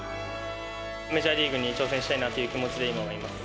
メジャーリーグに挑戦したいなという気持ちで今はいます。